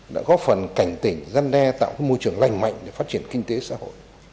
đã có phần cảnh tỉnh dân đe tạo cái môi trường lành mạnh để phát triển kinh tế xã hội